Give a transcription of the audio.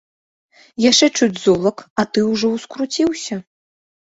Яшчэ чуць золак, а ты ўжо ўскруціўся?